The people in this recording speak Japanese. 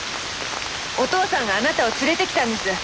お義父さんがあなたを連れてきたんです。